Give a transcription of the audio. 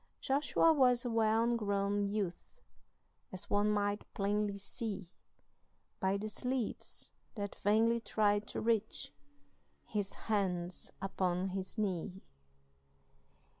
Joshua was a well grown youth, As one might plainly see By the sleeves that vainly tried to reach His hands upon his knee.